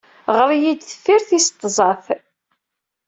Ɣer-iyi-d deffir tis tẓat.